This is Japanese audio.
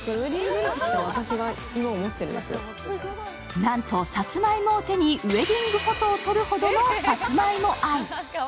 なんとさつまいもを手にウエディングフォトを撮るほどのさつまいも愛。